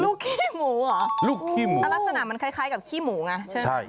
ลูกขี้หมูเหรอลูกขี้หมูลักษณะมันคล้ายกับขี้หมูไง